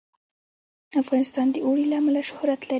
افغانستان د اوړي له امله شهرت لري.